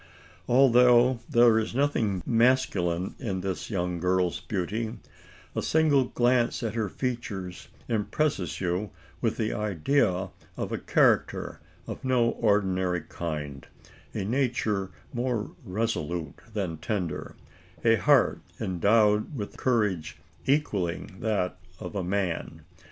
Although there is nothing masculine in this young girl's beauty, a single glance at her features impresses you with the idea of a character of no ordinary kind a nature more resolute than tender a heart endowed with courage equalling that of a man.